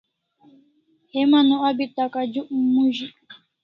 Heman o abi takajuk mozik